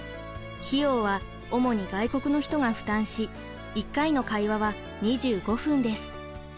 費用は主に外国の人が負担し１回の会話は２５分です。